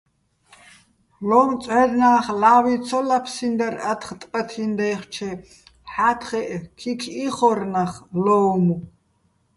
ლო́მწვჵერნა́ხ ლავი ცო ლაფსინდარ ათხ ტბათი́ნი̆ დაჲხჩე, ჰ̦ა́თხეჸ ქიქ იხორ ნახ ლო́უმო̆.